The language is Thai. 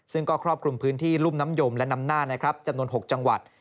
ซึ่งก็ครอบคลุมพื้นที่รุ่มน้ำยมและน้ำหน้านะครับจำนวน๖จังหวัด